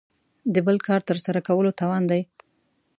د بل کار تر سره کولو توان دی.